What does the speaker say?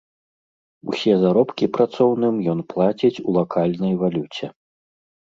Усе заробкі працоўным ён плаціць у лакальнай валюце.